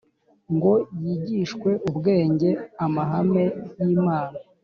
ngo yigishwe ubwenge amahame y’ imana